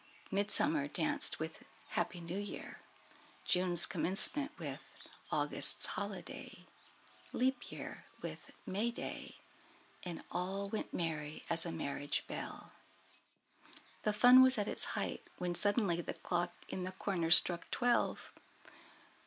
Midsummer danced with Happy New Year, June's Commencement with August's Holiday, Leap Year with May Day, and all "went merry as a marriage bell." The fun was at its height when suddenly the clock in the corner struck twelve.